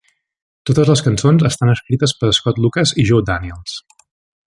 Totes les cançons estan escrites per Scott Lucas i Joe Daniels.